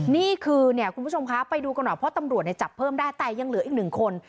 นี่คือเนี่ยคุณผู้ชมคะไปดูกันหน่อยเพราะตำรวจเนี่ยจับเพิ่มได้แต่ยังเหลืออีกหนึ่งคน